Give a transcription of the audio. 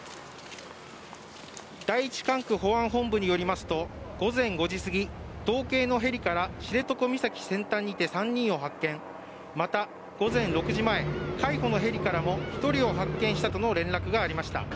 第一管区保安本部によりますと午前５時過ぎ、道警のヘリから知床半島からまた、午前６時前海保のヘリからも１人を発見したとの連絡がありました。